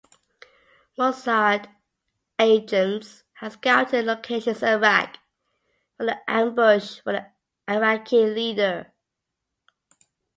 Mossad agents had scouted locations in Iraq for the ambush of the Iraqi leader.